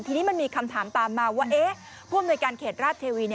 ทีนี้มันมีคำถามตามมาว่าพวงบริการเขตราชเทวี